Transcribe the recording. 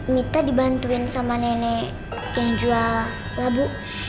mita dibantuin sama nenek yang jual labu